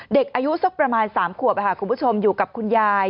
เด็กอายุสักประมาณ๓ขวบคุณผู้ชมอยู่กับคุณยาย